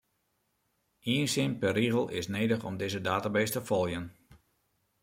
Ien sin per rigel is nedich om dizze database te foljen.